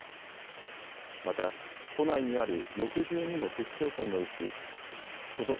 また都内にある６２の区市町村のうちことし